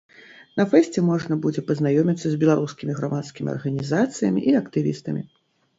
На фэсце можна будзе пазнаёміцца з беларускімі грамадскімі арганізацыямі і актывістамі.